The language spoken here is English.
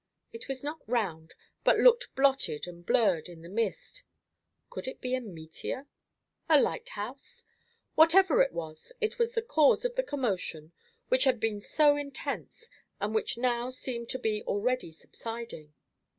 It was not round, but looked blotted and blurred in the mist. Could it be a meteor? a lighthouse? Whatever it was, it was the cause of the commotion which had been so intense, and which now seemed to be already subsiding.